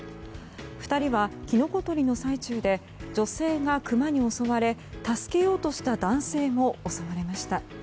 ２人はキノコ採りの最中で女性がクマに襲われ助けようとした男性も襲われました。